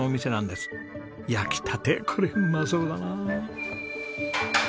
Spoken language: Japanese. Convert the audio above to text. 焼きたてこれうまそうだなあ。